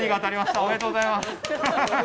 おめでとうございます。